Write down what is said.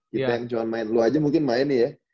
kita yang cuma main lu aja mungkin main nih ya